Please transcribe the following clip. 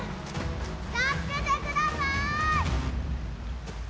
助けてくださーい！